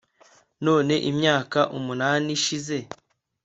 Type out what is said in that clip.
none imyaka umunani ishize